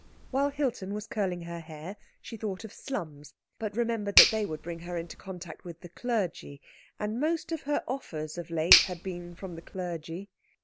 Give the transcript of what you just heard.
While Hilton was curling her hair, she thought of slums; but remembered that they would bring her into contact with the clergy, and most of her offers of late had been from the clergy.